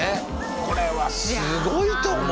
これはすごいと思う。